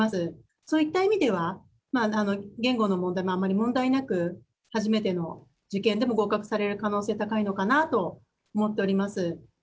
そういった意味では、言語の問題もあまり問題なく、初めての受験でも合格される可能性は高いのかなと思っております。